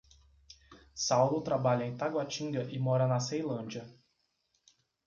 Saulo trabalha em Taguatinga e mora na Ceilândia.